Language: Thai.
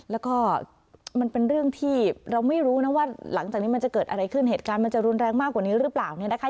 แล้วก็มันเป็นเรื่องที่เราไม่รู้นะว่าหลังจากนี้มันจะเกิดอะไรขึ้นเหตุการณ์มันจะรุนแรงมากกว่านี้หรือเปล่าเนี่ยนะคะ